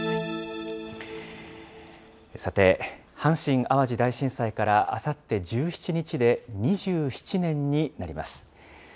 さて、阪神・淡路大震災から、あさって１７日で２７年になります。